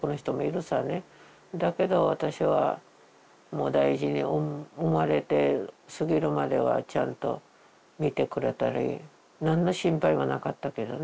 だけど私はもう大事に産まれて過ぎるまではちゃんと見てくれたり何の心配もなかったけどね。